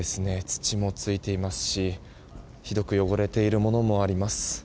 土もついていますしひどく汚れているものもあります。